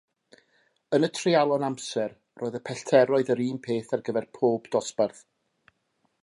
Yn y treialon amser, roedd y pellteroedd yr un peth ar gyfer pob dosbarth.